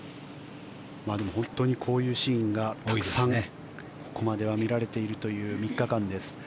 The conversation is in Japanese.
でも、本当にこういうシーンがたくさんここまでは見られているという３日間です。